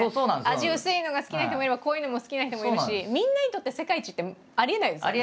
味薄いのが好きな人もいれば濃いのも好きな人もいるしみんなにとって世界一ってありえないですもんね。